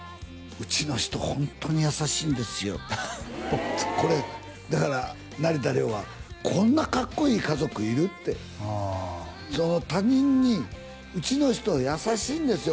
うちの人ホントに優しいんですよってこれだから成田凌はこんなカッコいい家族いる？ってその他人にうちの人優しいんですよ